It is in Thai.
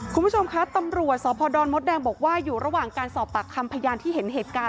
คุณผู้ชมคะตำรวจสพดมดแดงบอกว่าอยู่ระหว่างการสอบปากคำพยานที่เห็นเหตุการณ์